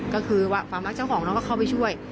ก็คือว่าฟาร์มรักเจ้าของน้องเข้าไปช่วย